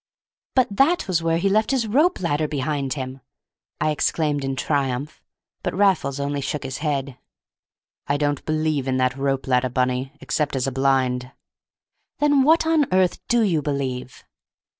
"But that was where he left his rope ladder behind him!" I exclaimed in triumph; but Raffles only shook his head. "I don't believe in that rope ladder, Bunny, except as a blind." "Then what on earth do you believe?"